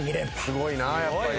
すごいなやっぱり。